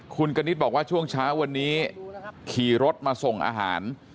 คุณกณิตบอกว่าช่วงเช้าวันนี้ขี่รถมาส่งอาหาร